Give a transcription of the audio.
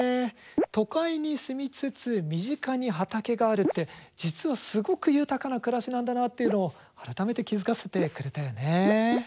都会に住みつつ身近に畑があるって実はすごく豊かな暮らしなんだなっていうのを改めて気付かせてくれたよね。